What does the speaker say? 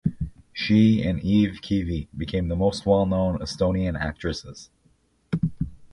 She and Eve Kivi became the most well known Estonian actresses.